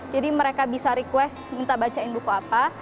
jadi mereka bisa request minta bacain buku apa